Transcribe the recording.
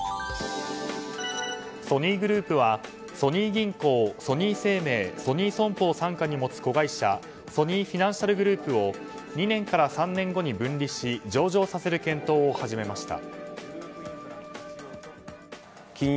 ソニーグループはソニー銀行、ソニー生命ソニー損保を傘下に持つ子会社ソニーフィナンシャルグループを２年から３年後に分離し上場させる検討を始めました。